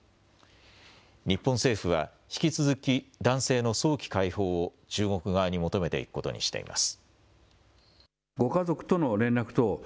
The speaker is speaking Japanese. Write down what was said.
日本政府は引き続き男性の早期解放を中国側に求めていくことにしています。